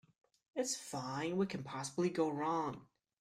It's fine. What can possibly go wrong?